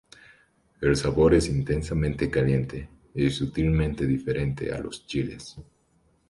El sabor es intensamente caliente y sutilmente diferente a los chiles.